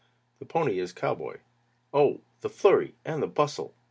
THE PONY AS COWBOY Oh! the flurry and the bustle!